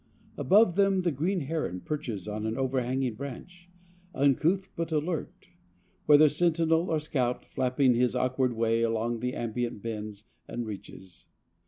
Above them the green heron perches on an overhanging branch, uncouth but alert, whether sentinel or scout, flapping his awkward way along the ambient bends and reaches.